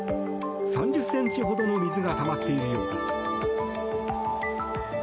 ３０ｃｍほどの水がたまっているようです。